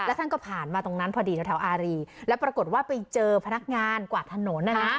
ท่านก็ผ่านมาตรงนั้นพอดีแถวอารีแล้วปรากฏว่าไปเจอพนักงานกวาดถนน